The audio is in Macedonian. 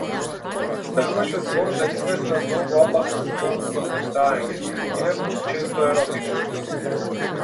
Стануваше збор за извесна многу опасна склоност кон мечтаење, инаку често еротично.